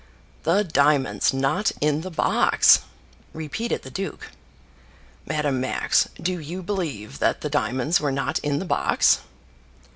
"The diamonds not in the box!" repeated the duke. "Madame Max, do you believe that the diamonds were not in the box?"